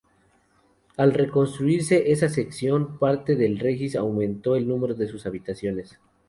Al reconstruirse esa sección, parte del Regis aumentó el número de sus habitaciones.